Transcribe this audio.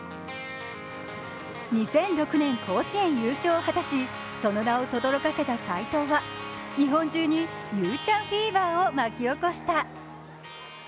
２００６年、甲子園優勝を果たし、その名をとどろかせた斎藤は日本中に佑チャンフィーバーを巻き起こした。